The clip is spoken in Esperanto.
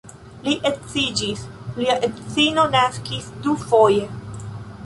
Li edziĝis, lia edzino naskis dufoje.